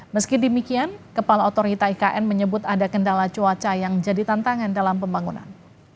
meski demikian kepala otorita ikn menyebut ada kendala cuaca yang jadi tantangan dalam pembangunan